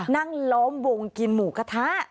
นั่งล้อมวงกินหมูกระทะ